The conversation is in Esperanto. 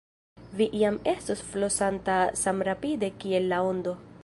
Vi jam estos flosanta samrapide kiel la ondo.